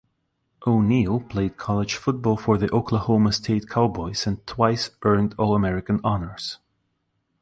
O'Neal played college football for the Oklahoma State Cowboys, and twice earned All-American honors.